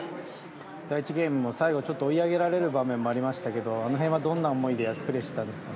第１ゲームの最後追い上げられる場面もありましたけれどもあの辺はどんな思いでプレーしてたんですか？